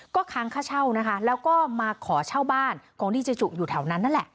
ก็ค้างค่าเช่านะคะแล้วก็มาขอเช่าบ้านของดีเจจุอยู่แถวนั้นนั่นแหละ